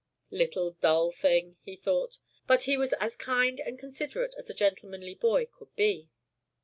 "Little dull thing!" he thought; but he was as kind and considerate as a gentlemanly boy could be.